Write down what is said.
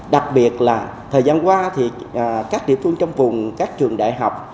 đặc biệt là thời gian qua thì các địa phương trong vùng các trường đại học